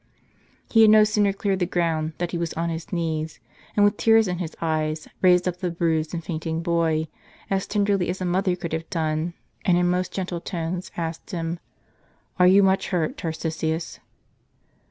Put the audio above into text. He had no sooner cleared the ground, than he was on his knees, and with tears in his eyes, raised up the bruised and fainting boy, as tenderly as a mother could have done, and in most gentle tones asked him, "Are you much hurt, Tarcisius